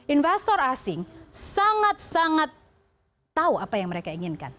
investor asing sangat sangat tahu apa yang mereka inginkan